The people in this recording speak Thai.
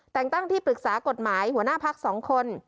แต่งตั้งที่ปรึกษากฎหมายหัวหน้าพัก๒คน